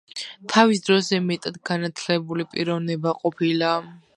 თავის დროზე მეტად განათლებული პიროვნება ყოფილა.